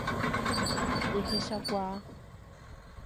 Jehechakuaa.